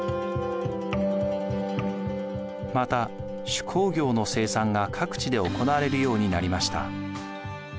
また手工業の生産が各地で行われるようになりました。